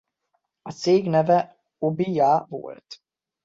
A cég neve Obi-ya volt.